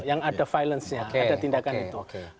yang ada violence nya ada tindakan itu